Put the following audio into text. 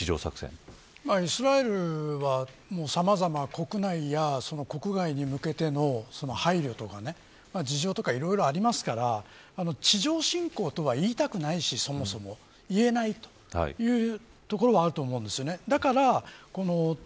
イスラエルはさまざま、国内や国外に向けての配慮とか事情とかいろいろありますから地上侵攻とは言いたくないし、そもそも言えないというところはあると思うんです。